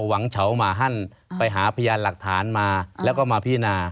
หวังเฉาหมาฮั่นไปหาพยานหลักฐานมาแล้วก็มาพินา